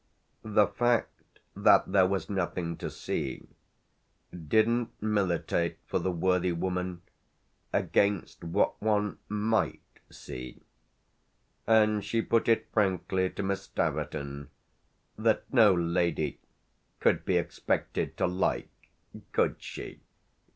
The fact that there was nothing to see didn't militate for the worthy woman against what one might see, and she put it frankly to Miss Staverton that no lady could be expected to like, could she?